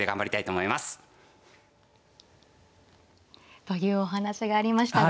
というお話がありました。